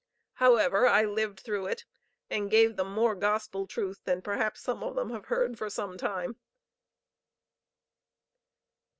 However, I lived through it, and gave them more gospel truth than perhaps some of them have heard for some time.